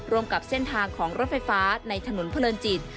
กับเส้นทางของรถไฟฟ้าในถนนเพลินจิต